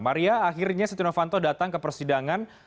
maria akhirnya setia novanto datang ke persidangan